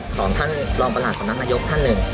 ของท่านรองประหลัดสำนักนายกท่านหนึ่ง